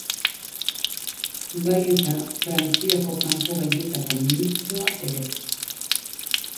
Bai eta Frantziako Kanpo Gaietako ministroa ere.